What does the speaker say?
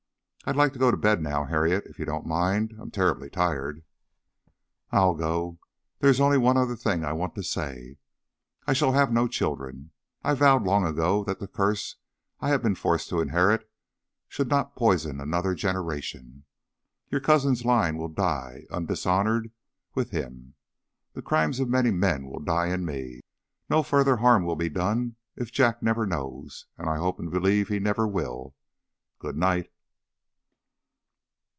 I'd like to go to bed now, Harriet, if you don't mind. I'm terribly tired." "I'll go. There is only one other thing I want to say. I shall have no children. I vowed long ago that the curse I had been forced to inherit should not poison another generation. Your cousin's line will die, undishonoured, with him. The crimes of many men will die in me. No further harm will be done if Jack never knows. And I hope and believe he never will. Good night."